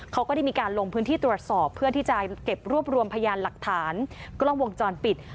เขาก็ได้มีการลงพื้นที่ตรวจสอบเพื่อที่จะเก็บรวบรวมพยานหลักฐานกล้องวงจรปิด